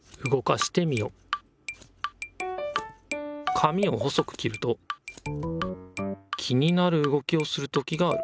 紙を細く切ると気になるうごきをする時がある。